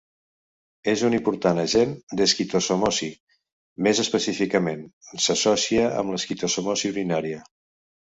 És un important agent d'esquistosomosi; més específicament, s'associa amb l'esquistosomiasi urinària.